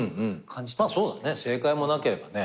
そうだね正解もなければね。